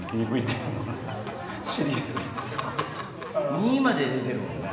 ２まで出てるもんな。